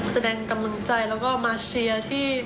แสดงกำลังใจแล้วก็มาเชียร์ที่